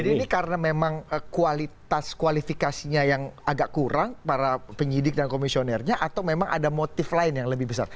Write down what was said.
jadi ini karena memang kualitas kualifikasinya yang agak kurang para penyidik dan komisionernya atau memang ada motif lain yang lebih besar